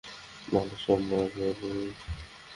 না হলে সব মারা যাবি।